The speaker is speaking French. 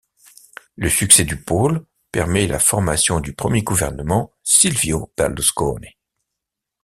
Le succès du Pôle permet la formation du premier gouvernement Silvio Berlusconi.